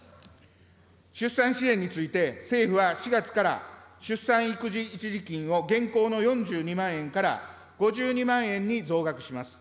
出産支援について、政府は４月から、出産育児一時金を現行の４２万円から５２万円に増額します。